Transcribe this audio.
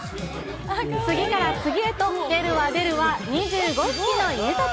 次から次へと出るわ、出るわ、２５匹の犬たち。